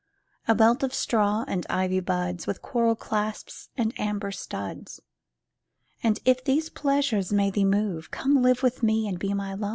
A belt of straw and ivy buds With coral clasps and amber studs : And if these pleasures may thee move, Come live with me and be my love.